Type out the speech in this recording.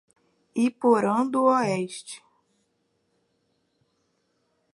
Iporã do Oeste